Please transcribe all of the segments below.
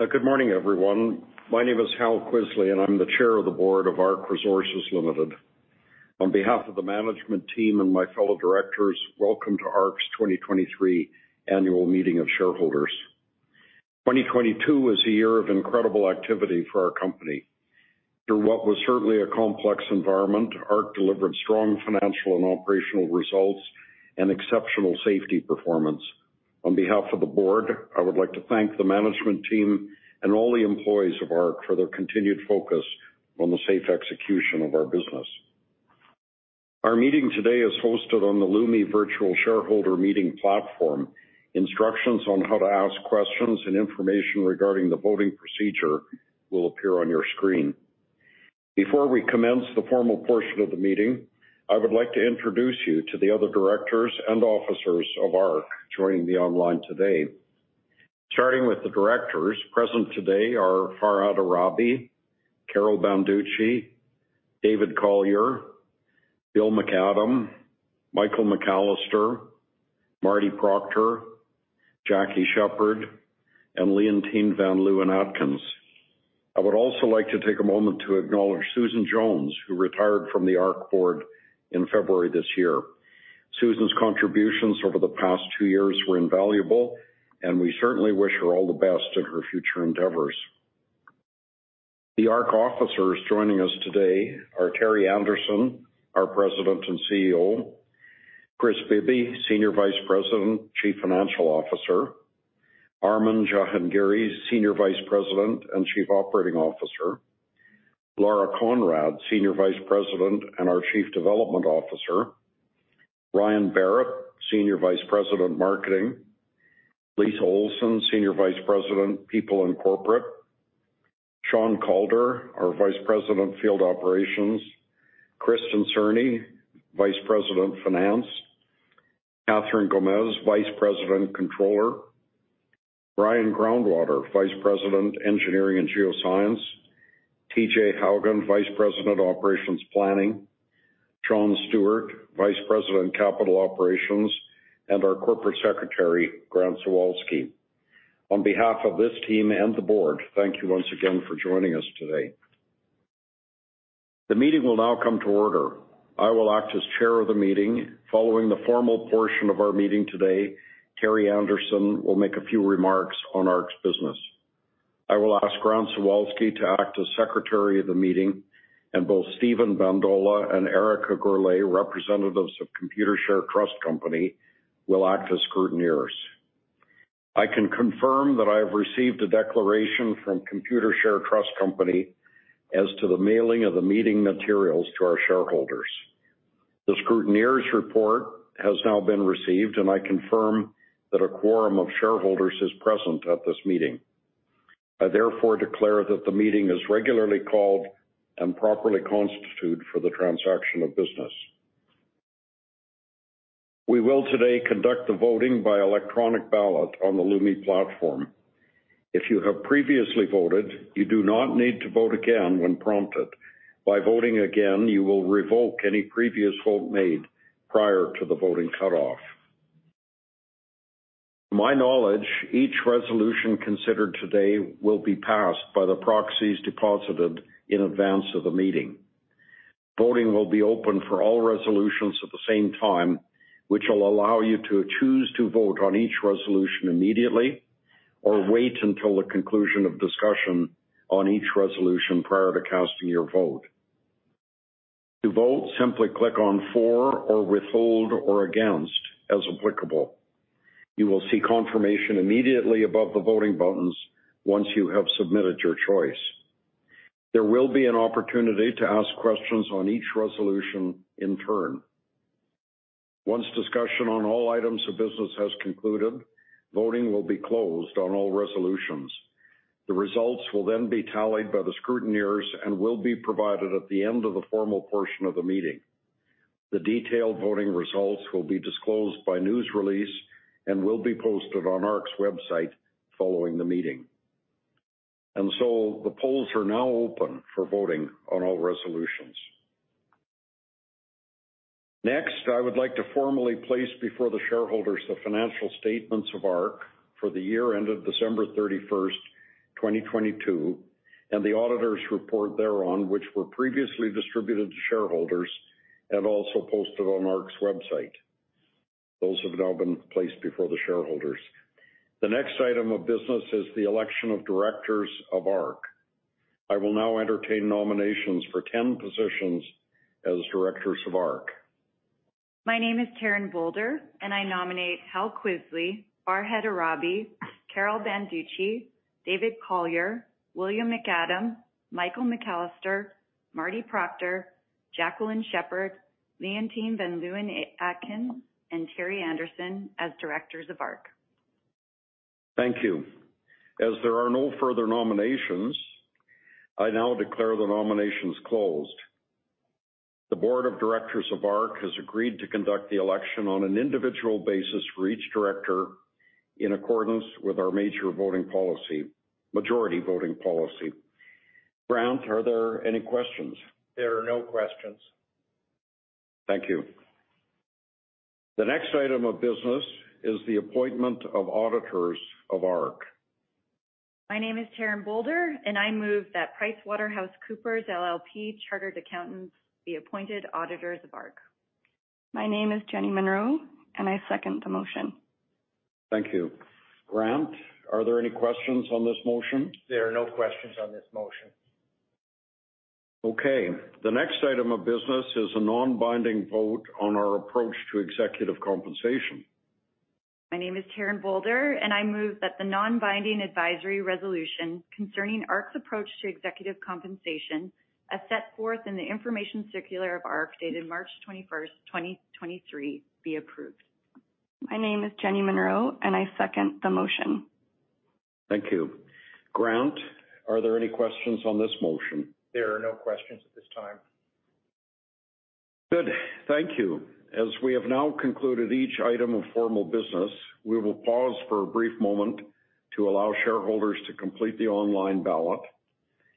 Good morning, everyone. My name is Harold N. Kvisle, and I'm the Chair of the Board of ARC Resources Ltd. On behalf of the management team and my fellow directors, welcome to ARC's 2023 Annual Meeting of Shareholders. 2022 was a year of incredible activity for our company. Through what was certainly a complex environment, ARC delivered strong financial and operational results and exceptional safety performance. On behalf of the board, I would like to thank the management team and all the employees of ARC for their continued focus on the safe execution of our business. Our meeting today is hosted on the Lumi Virtual Shareholder Meeting platform. Instructions on how to ask questions and information regarding the voting procedure will appear on your screen. Before we commence the formal portion of the meeting, I would like to introduce you to the other directors and officers of ARC joining me online today. Starting with the directors, present today are Farhad Ahrabi, Carol Banducci, David Collyer, Bill McAdam, Michael McAllister, Marty Proctor, Jackie Sheppard, and Leontine van Leeuwen-Atkins. I would also like to take a moment to acknowledge Susan Jones, who retired from the ARC Board in February this year. Susan's contributions over the past two years were invaluable, and we certainly wish her all the best in her future endeavors. The ARC officers joining us today are Terry Anderson, our President and CEO, Kris Bibby, Senior Vice President, Chief Financial Officer, Armin Jahangiri, Senior Vice President and Chief Operating Officer, Lara Conrad, Senior Vice President and our Chief Development Officer, Ryan Berrett, Senior Vice President, Marketing, Lisa Olsen, Senior Vice President, People and Corporate, Sean Calder, our Vice President, Field Operations, Krystal Cerny, Vice President, Finance, Catherine Gomez, Vice President, Controller, Brian Groundwater, Vice President, Engineering and Geoscience, TJ Haugen, Vice President, Operations Planning, Sean Stuart, Vice President, Capital Operations, and our Corporate Secretary, Grant Zawalsky. On behalf of this team and the board, thank you once again for joining us today. The meeting will now come to order. I will act as Chair of the meeting. Following the formal portion of our meeting today, Terry Anderson will make a few remarks on ARC's business. I will ask Grant Zawalsky to act as Secretary of the meeting. Both Stephen Bandola and Erica Gourlay, representatives of Computershare Trust Company, will act as scrutineers. I can confirm that I have received a declaration from Computershare Trust Company as to the mailing of the meeting materials to our shareholders. The scrutineers' report has now been received. I confirm that a quorum of shareholders is present at this meeting. I therefore declare that the meeting is regularly called and properly constituted for the transaction of business. We will today conduct the voting by electronic ballot on the Lumi platform. If you have previously voted, you do not need to vote again when prompted. By voting again, you will revoke any previous vote made prior to the voting cutoff. To my knowledge, each resolution considered today will be passed by the proxies deposited in advance of the meeting. Voting will be open for all resolutions at the same time, which will allow you to choose to vote on each resolution immediately or wait until the conclusion of discussion on each resolution prior to casting your vote. To vote, simply click on For or Withhold or Against, as applicable. You will see confirmation immediately above the voting buttons once you have submitted your choice. There will be an opportunity to ask questions on each resolution in turn. Once discussion on all items of business has concluded, voting will be closed on all resolutions. The results will then be tallied by the scrutineers and will be provided at the end of the formal portion of the meeting. The detailed voting results will be disclosed by news release and will be posted on ARC's website following the meeting. The polls are now open for voting on all resolutions. I would like to formally place before the shareholders the financial statements of ARC for the year ended December 31st, 2022, and the auditors' report thereon, which were previously distributed to shareholders and also posted on ARC's website. Those have now been placed before the shareholders. The next item of business is the election of directors of ARC. I will now entertain nominations for 10 positions as directors of ARC. My name is Taryn Bolder, and I nominate Harold N. Kvisle, Farhad Ahrabi, Carol Banducci, David Collyer, William McAdam, Michael McAllister, Marty Proctor, Jacqueline Sheppard, Leontine van Leeuwen-Atkins, and Terry Anderson as directors of ARC. Thank you. As there are no further nominations, I now declare the nominations closed. The board of directors of ARC has agreed to conduct the election on an individual basis for each director in accordance with our majority voting policy. Grant, are there any questions? There are no questions. Thank you. The next item of business is the appointment of auditors of ARC. My name is Taryn Bolder, and I move that PricewaterhouseCoopers LLP, Chartered Professional Accountants be appointed auditors of ARC. My name is Jenny Monroe, and I second the motion. Thank you. Grant, are there any questions on this motion? There are no questions on this motion. The next item of business is a non-binding vote on our approach to executive compensation. My name is Taryn Bolder, I move that the non-binding advisory resolution concerning ARC's approach to executive compensation, as set forth in the information circular of ARC, dated March 21st, 2023, be approved. My name is Jenny Monroe, and I second the motion. Thank you. Grant, are there any questions on this motion? There are no questions at this time. Good. Thank you. We have now concluded each item of formal business, we will pause for a brief moment to allow shareholders to complete the online ballot.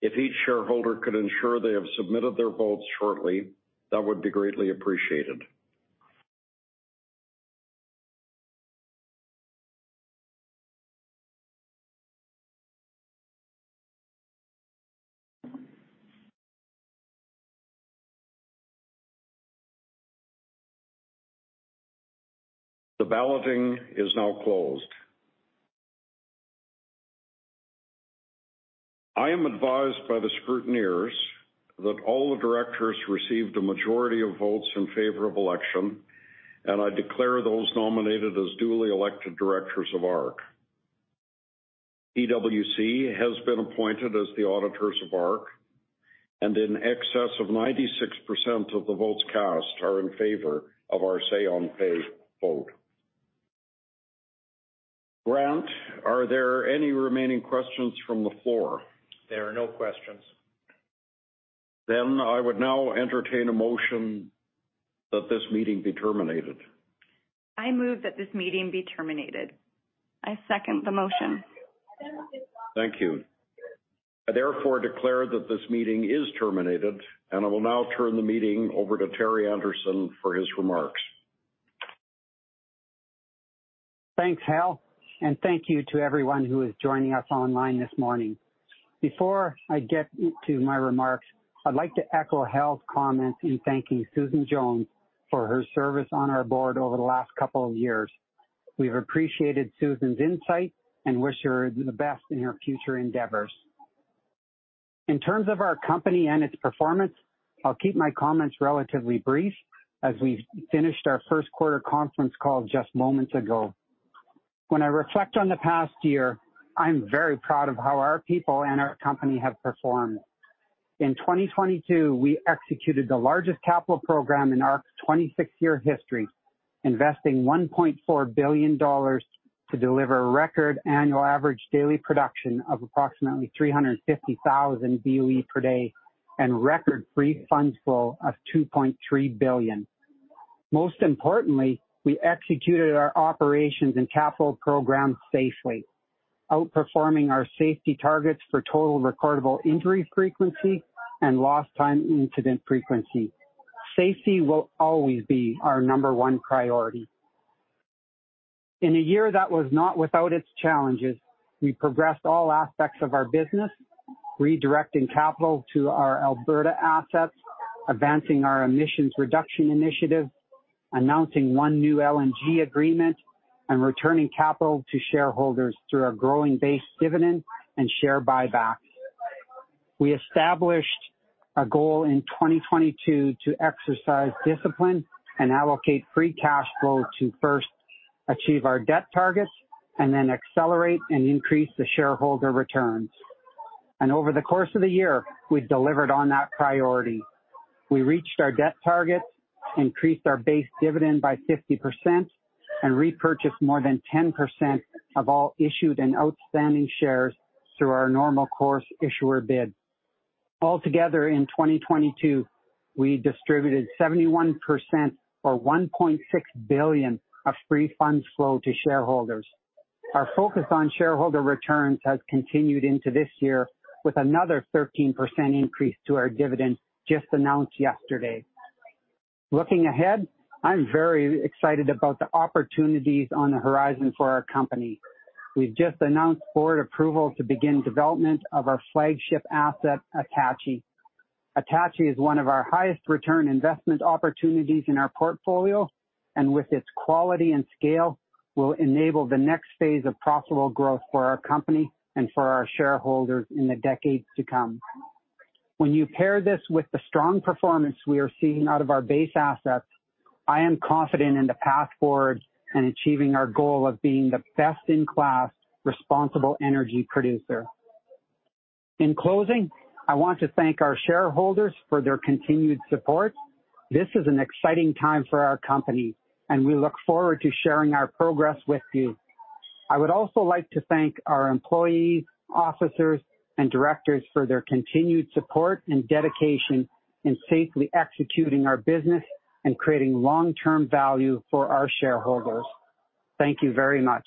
If each shareholder could ensure they have submitted their votes shortly, that would be greatly appreciated. The balloting is now closed. I am advised by the scrutineers that all the directors received a majority of votes in favor of election. I declare those nominated as duly elected directors of ARC. PwC has been appointed as the auditors of ARC. In excess of 96% of the votes cast are in favor of our say on pay vote. Grant, are there any remaining questions from the floor? There are no questions. I would now entertain a motion that this meeting be terminated. I move that this meeting be terminated. I second the motion. Thank you. I therefore declare that this meeting is terminated. I will now turn the meeting over to Terry Anderson for his remarks. Thanks, Hal. Thank you to everyone who is joining us online this morning. Before I get into my remarks, I'd like to echo Hal's comments in thanking Susan Jones for her service on our board over the last couple of years. We've appreciated Susan's insight and wish her the best in her future endeavors. In terms of our company and its performance, I'll keep my comments relatively brief as we finished our Q1 conference call just moments ago. When I reflect on the past year, I'm very proud of how our people and our company have performed. In 2022, we executed the largest capital program in our 26-year history, investing 1.4 billion dollars to deliver record annual average daily production of approximately 350,000 BOE per day and record free funds flow of 2.3 billion. Most importantly, we executed our operations and capital programs safely, outperforming our safety targets for total recordable injury frequency and lost time incident frequency. Safety will always be our number 1 priority. In a year that was not without its challenges, we progressed all aspects of our business, redirecting capital to our Alberta assets, advancing our emissions reduction initiative, announcing 1 new LNG agreement, and returning capital to shareholders through our growing base dividend and share buybacks. We established a goal in 2022 to exercise discipline and allocate free cash flow to first achieve our debt targets and then accelerate and increase the shareholder returns. Over the course of the year, we've delivered on that priority. We reached our debt targets, increased our base dividend by 50% and repurchased more than 10% of all issued and outstanding shares through our normal course issuer bid. Altogether, in 2022, we distributed 71% or 1.6 billion of free funds flow to shareholders. Our focus on shareholder returns has continued into this year with another 13% increase to our dividend just announced yesterday. Looking ahead, I'm very excited about the opportunities on the horizon for our company. We've just announced board approval to begin development of our flagship asset, Attachie. Attachie is one of our highest return investment opportunities in our portfolio. With its quality and scale, will enable the next phase of profitable growth for our company and for our shareholders in the decades to come. When you pair this with the strong performance we are seeing out of our base assets, I am confident in the path forward in achieving our goal of being the best-in-class responsible energy producer. In closing, I want to thank our shareholders for their continued support. This is an exciting time for our company, and we look forward to sharing our progress with you. I would also like to thank our employees, officers, and directors for their continued support and dedication in safely executing our business and creating long-term value for our shareholders. Thank you very much.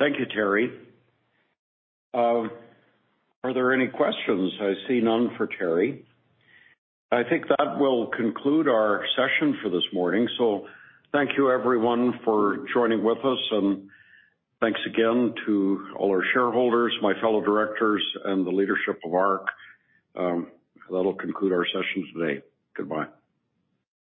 Thank you, Terry. Are there any questions? I see none for Terry. I think that will conclude our session for this morning. Thank you everyone for joining with us and thanks again to all our shareholders, my fellow directors, and the leadership of ARC. That'll conclude our session today. Goodbye.